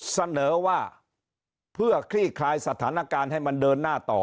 เสนอว่าเพื่อคลี่คลายสถานการณ์ให้มันเดินหน้าต่อ